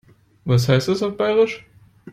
Was heißt das auf Bairisch?